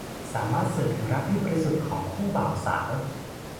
สามารถสื่อถึงรักที่บริสุทธิ์ของคู่บ่าวสาว